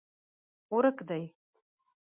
ورک دي